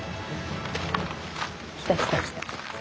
来た来た来た。